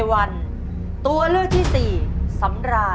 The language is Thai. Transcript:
ช่วงมีชื่อไทยว่าอะไร